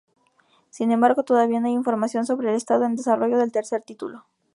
Sin embargo todavía no hay información sobre el estado en desarrollo del tercer título.